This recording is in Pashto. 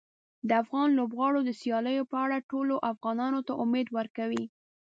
د افغان لوبغاړو د سیالیو په اړه ټولو افغانانو ته امید ورکوي.